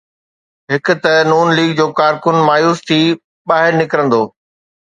هڪ ته نون ليگ جو ڪارڪن مايوس ٿي ٻاهر نڪرندو.